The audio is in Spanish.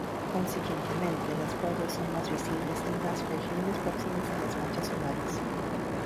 Consiguientemente, las playas son más visibles en las regiones próximas a las manchas solares.